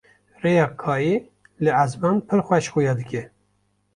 rêya kayê li ezman pir xweş xuya dike